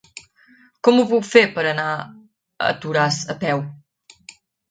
Com ho puc fer per anar a Toràs a peu?